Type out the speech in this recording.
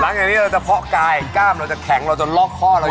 หลังจากนี้เราจะเพาะกายกล้ามเราจะแข็งเราจะลอกข้อเรา